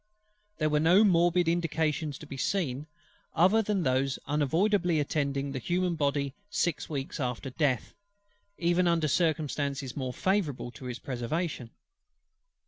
There were no morbid indications to be seen; other than those unavoidably attending the human body six weeks after death, even under circumstances more favourable to its preservation.